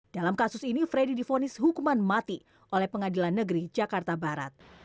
dalam kasus ini freddy difonis hukuman mati oleh pengadilan negeri jakarta barat